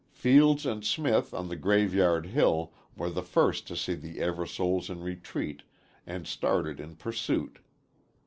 Fields and Smith on the Graveyard Hill were the first to see the Eversoles in retreat and started in pursuit.